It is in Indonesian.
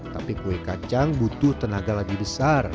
tapi kue kacang butuh tenaga lagi besar